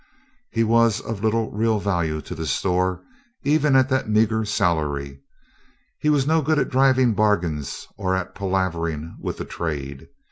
He was of little real value to the store, at even that meager salary. He was no good at driving bargains or at palavering with the trade.